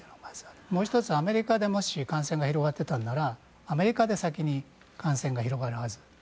もう１つ、アメリカでもし感染が広がっていたならアメリカで先に感染が広がるはず。